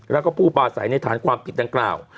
แล้วก็ผู้ปลาใสในฐานความผิดดังกล่าว